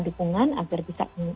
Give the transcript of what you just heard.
dukungan agar bisa